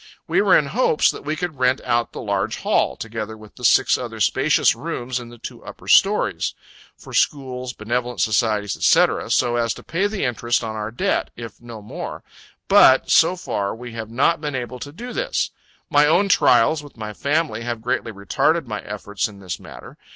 We were in hopes that we could rent out the large hall, together with the six other spacious rooms in the two upper stories, for schools, benevolent societies, &c., so as to pay the interest on our debt, if no more; but so far, we have not been able to do this. My own trials, with my family, have greatly retarded my efforts in this matter.